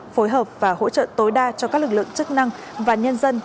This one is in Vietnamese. phối hợp và hỗ trợ tối đa cho các lực lượng chức năng và nhân dân